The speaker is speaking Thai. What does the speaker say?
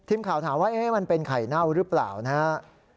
ทีมข่าวถามว่ามันเป็นไข่เน่าหรือเปล่านะครับ